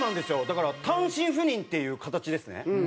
だから単身赴任っていう形ですね。